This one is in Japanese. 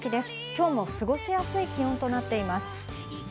今日も過ごしやすい気温となっています。